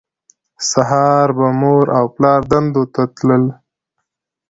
سهار به مور او پلار دندو ته تلل